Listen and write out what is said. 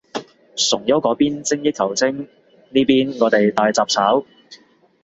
崇優嗰邊精益求精，呢邊我哋大雜炒